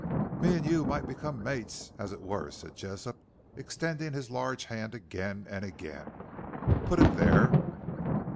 "Me an' you might become mates, as it were," said Jessop, extending his large hand again and again. "Put it there."